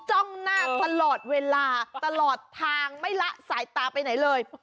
จ้องหน้าตลอดเวลาตลอดทางไม่ละสายตาไปไหนเลย